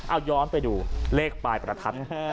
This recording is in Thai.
เอาย้อนไปดูเลขปลายประทัด